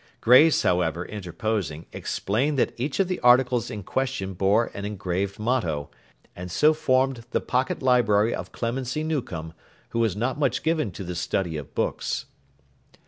Grace, however, interposing, explained that each of the articles in question bore an engraved motto, and so formed the pocket library of Clemency Newcome, who was not much given to the study of books.